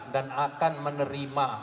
dan akan menerima